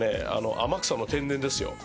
天草の天然ですよ。